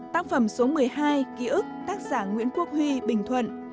tác phẩm số một mươi hai ký ức tác giả nguyễn quốc huy bình thuận